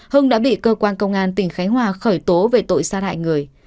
hưng đã bị cơ quan công an tỉnh khánh hòa khởi tố về tội sát hại người